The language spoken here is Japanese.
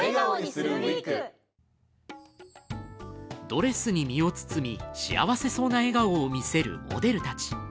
ドレスに身を包み、幸せそうな笑顔を見せるモデルたち。